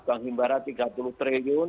bank himbara tiga puluh triliun